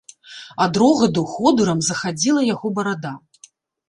Ад рогату ходырам захадзіла яго барада.